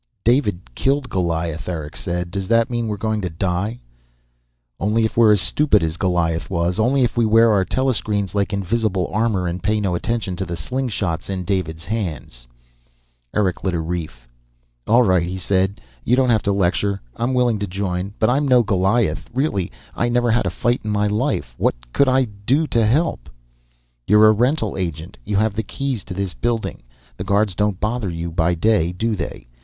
"David killed Goliath," Eric said. "Does that mean we're going to die?" "Only if we're as stupid as Goliath was. Only if we wear our telescreens like invincible armor and pay no attention to the slingshot in David's hands." Eric lit a reef. "All right," he said. "You don't have to lecture. I'm willing to join. But I'm no Goliath, really. I never had a fight in my life. What could I do to help?" "You're a rental agent. You have the keys to this building. The guards don't bother you by day, do they?